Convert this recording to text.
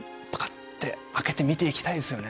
ッて開けて見ていきたいですよね